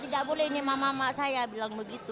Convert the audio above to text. tidak boleh ini mama mama saya bilang begitu